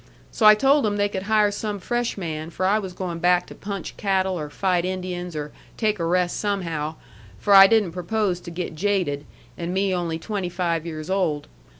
So I told them they could hire some fresh man, for I was goin' back to punch cattle or fight Indians, or take a rest somehow, for I didn't propose to get jaded, and me only twenty five years old.